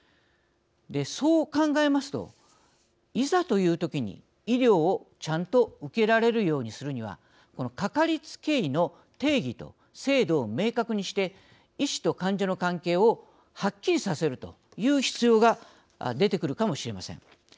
そう考えますといざというときに医療をちゃんと受けられるようにするにはかかりつけ医の定義と制度を明確にして医師と患者の関係をはっきりさせるという必要が出てくるかもしれません。